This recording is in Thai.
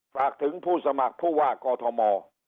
ฝากถึงผู้สมัครผู้ว่ากอทม